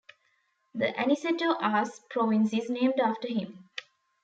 The Aniceto Arce Province is named after him.